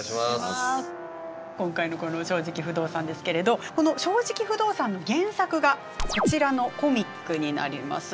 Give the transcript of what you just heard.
今回のこの「正直不動産」ですけれどこの「正直不動産」の原作がこちらのコミックになります。